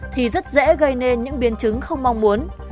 thì rất dễ gây nên những biến chứng không mong muốn